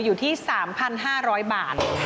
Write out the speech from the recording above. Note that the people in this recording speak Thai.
อยู่ที่๓๕๐๐บาท